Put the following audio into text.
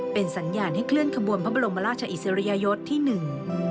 เป็นสัญญาณให้เคลื่อนขบวนพระบรมราชอิสริยยศที่หนึ่ง